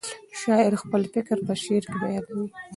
شاعر خپل فکر په شعر کې بیانوي.